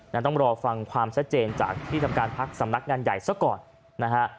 ต้องรอฟังความชัดเจนจากที่ทำการพักสำนักงานใหญ่ซะก่อนนะฮะ